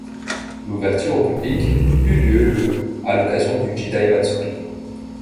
L'ouverture au public eut lieu le à l'occasion du jidai matsuri.